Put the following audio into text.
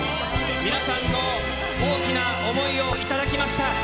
皆さんの大きな想いを頂きました。